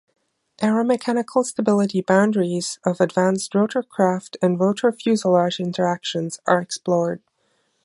Aeromechanical stability boundaries of advanced rotorcraft and rotor-fuselage interactions are explored.